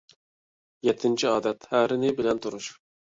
يەتتىنچى ئادەت، ھەرىنى بىلەپ تۇرۇش.